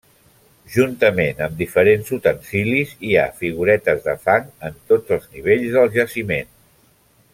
Juntament amb diferents utensilis, hi ha figuretes de fang en tots els nivells del jaciment.